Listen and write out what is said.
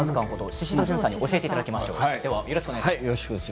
宍戸純さんに教えていただきましょう。